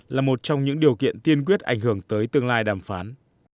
là một trong những điều kiện tiên quyết ảnh hưởng tới tương lai đàm phán